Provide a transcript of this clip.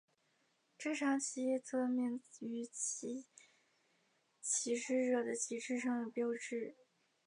这场起义得名于其起事者的旗帜上的标志。